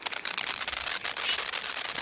ماشومان په وړکتون کې سندرې وایي.